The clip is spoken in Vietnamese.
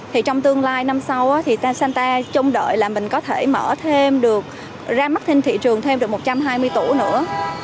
thì trong tương lai năm sau thì tan santa chung đợi là mình có thể mở thêm được ra mắt thêm thị trường thêm được một trăm hai mươi tủ nữa